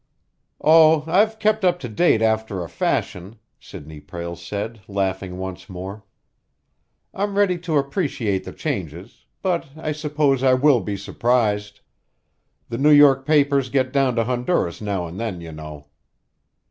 "Oh, I've kept up to date after a fashion," Sidney Prale said, laughing once more. "I'm ready to appreciate the changes, but I suppose I will be surprised. The New York papers get down to Honduras now and then, you know."